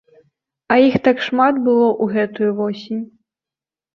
А іх так шмат было ў гэтую восень.